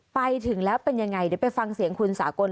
ไปถึงแล้วเป็นยังไงเดี๋ยวไปฟังเสียงคุณสากล